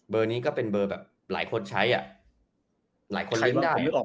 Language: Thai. เบอร์นี้ก็เป็นเบอร์แบบหลายคนใช้อ่ะหลายคนได้นึกออก